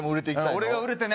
俺が売れてね